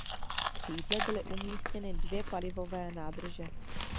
V křídle byly umístěny dvě palivové nádrže.